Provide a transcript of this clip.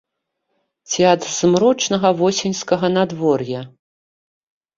Ці ад змрочнага восеньскага надвор'я.